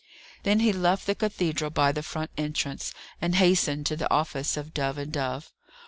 Then he left the cathedral by the front entrance, and hastened to the office of Dove and Dove.